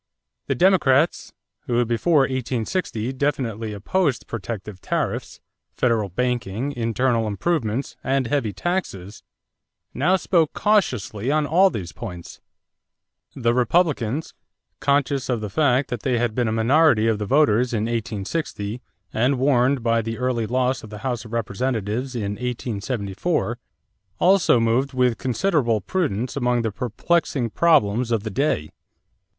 The Democrats, who before 1860 definitely opposed protective tariffs, federal banking, internal improvements, and heavy taxes, now spoke cautiously on all these points. The Republicans, conscious of the fact that they had been a minority of the voters in 1860 and warned by the early loss of the House of Representatives in 1874, also moved with considerable prudence among the perplexing problems of the day.